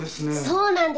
そうなんです。